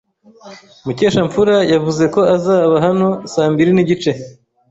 Mukeshamfura yavuze ko azaba hano saa mbiri nigice.